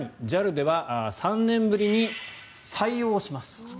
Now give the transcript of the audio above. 更にＪＡＬでは３年ぶりに採用します。